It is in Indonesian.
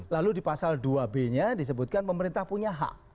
lalu di pasal dua b nya disebutkan pemerintah punya hak